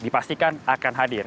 pastikan akan hadir